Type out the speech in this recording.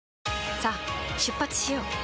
さあ出発しよう。